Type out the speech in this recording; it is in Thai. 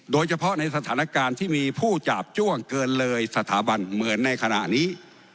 โดยเฉพาะในสถานการณ์ที่มีผู้จาบจ้วงเกินเลยสถาบันเหมือนในขณะนี้